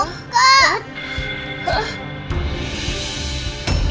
omah papah luka